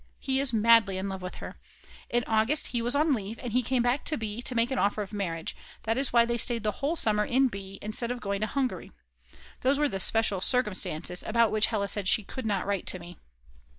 He is madly in love with her. In August he was on leave, and he came to B. to make an offer of marriage; that is why they stayed the whole summer in B. instead of going to Hungary. Those were the special circumstances, about which Hella said she could not write to me.